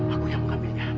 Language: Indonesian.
aku yang mau ambilnya